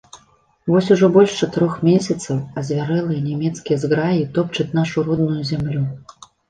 Вось ужо больш чатырох месяцаў азвярэлыя нямецкія зграі топчуць нашу родную зямлю.